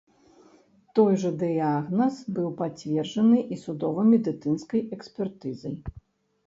Той жа дыягназ быў пацверджаны і судова-медыцынскай экспертызай.